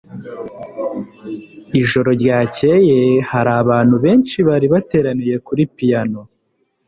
Ijoro ryakeye hari abantu benshi bari bateraniye kuri piyano.